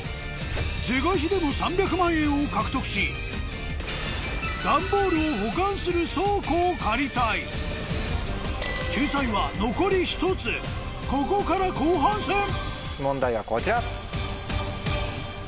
是が非でも３００万円を獲得し段ボールを保管する倉庫を借りたい救済は残り１つここから後半戦問題はこちら。